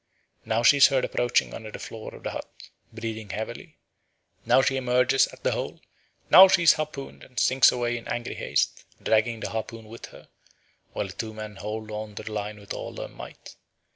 Now she is heard approaching under the floor of the hut, breathing heavily; now she emerges at the hole; now she is harpooned and sinks away in angry haste, dragging the harpoon with her, while the two men hold on to the line with all their might.